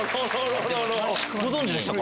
ご存じでしたか？